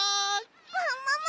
ももも！